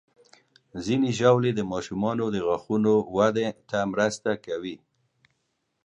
ځینې ژاولې د ماشومانو د غاښونو وده ته مرسته کوي.